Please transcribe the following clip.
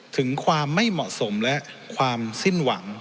ถึงความไม่เหมาะสมและความสิ้นหวัง